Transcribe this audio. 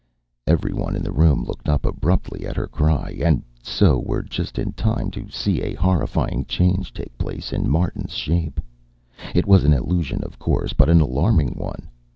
Everyone in the room looked up abruptly at her cry, and so were just in time to see a horrifying change take place in Martin's shape. It was an illusion, of course, but an alarming one.